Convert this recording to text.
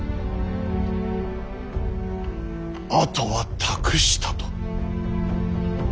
あとは託したと。